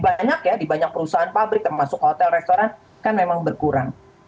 namun juga demand order di banyak perusahaan pabrik termasuk hotel restoran kan memang berkurang